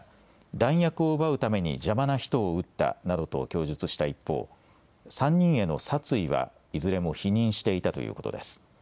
弾薬を奪うために邪魔な人を撃ったなどと供述した一方、３人への殺意はいずれも否認していたということです。